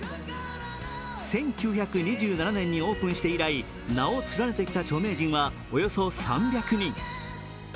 １９２７年にオープンして以来、名を連ねてきた著名人はおよそ３００人。